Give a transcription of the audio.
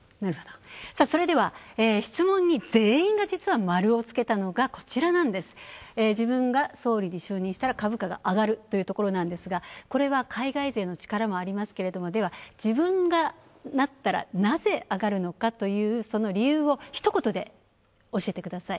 それでは、質問に全員が実は○をつけたのが「自分が総理に就任したら株価が上がる」というところなんですがこれは、海外勢の力もありますけれども、では、自分がなったら、なぜ上がるのかというその理由をひと言で教えてください。